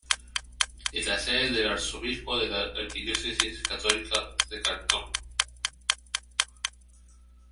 Es la sede del arzobispo de la archidiócesis católica de Cantón.